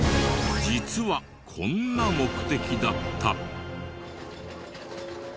実はこんな目的だった！